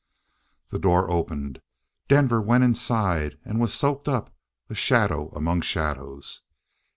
The door opened Denver went inside and was soaked up a shadow among shadows.